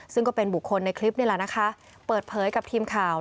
ซึ่งก็เป็นบุคคลในคลิปนี่แหละนะคะเปิดเผยกับทีมข่าว